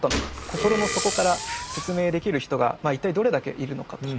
心の底から説明できる人が一体どれだけいるのかと。